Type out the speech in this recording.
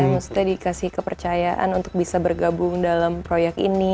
maksudnya dikasih kepercayaan untuk bisa bergabung dalam proyek ini